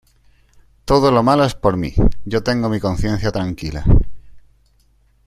Todo lo malo es por mi, yo tengo mi conciencia tranquila.